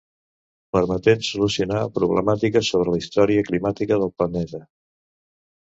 Permetent solucionar problemàtiques sobre la història climàtica del planeta.